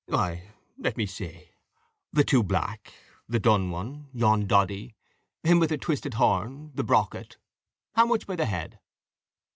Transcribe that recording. "Why, let me see the two black the dun one yon doddy him with the twisted horn the brockit. How much by the head?"